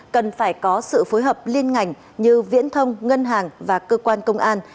cần phải có sự phối hợp liên ngành như viễn thông ngân hàng và cơ quan công an